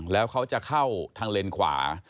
แล้วเขาจะเข้าทางเลนขวา